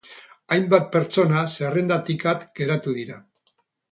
Hainbat pertsona zerrendatik at geratuko dira.